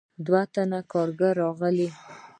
دوه تنه کارګران راغلل.